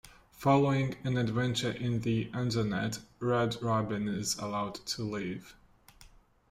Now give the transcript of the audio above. Following an adventure in the Undernet, Red Robin is allowed to leave.